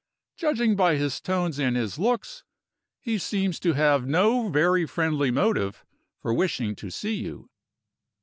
Judging by his tones and his looks, he seems to have no very friendly motive for wishing to see you."